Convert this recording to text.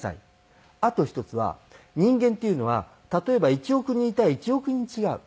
あと１つは人間っていうのは例えば１億人いたら１億人違う。